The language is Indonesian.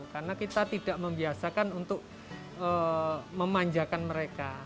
karena kita tidak membiasakan untuk memanjakan mereka